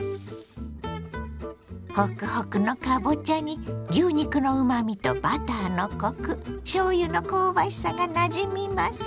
ホクホクのかぼちゃに牛肉のうまみとバターのコクしょうゆの香ばしさがなじみます。